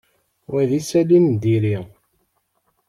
Wa d isali n diri.